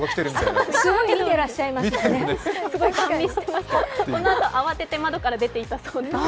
このあと、慌てて窓から出ていったそうです。